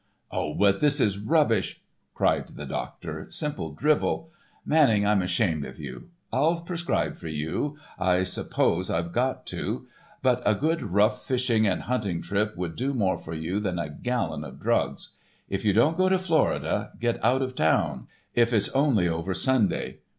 "Oh, but this is rubbish," cried the doctor, "simple drivel. Manning, I'm ashamed of you. I'll prescribe for you, I suppose I've got to. But a good rough fishing and hunting trip would do more for you than a gallon of drugs. If you won't go to Florida, get out of town, if it's only over Sunday.